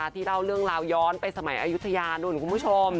ที่เล่าเรื่องราวย้อนไปสมัยอายุทยานู่นคุณผู้ชม